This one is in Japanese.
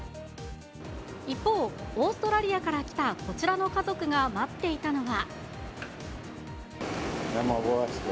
一方、オーストラリアから来たこちらの家族が待っていたのは。